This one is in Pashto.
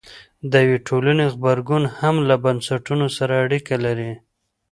د یوې ټولنې غبرګون هم له بنسټونو سره اړیکه لري.